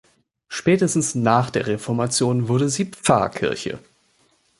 Spätestens nach der Reformation wurde sie Pfarrkirche.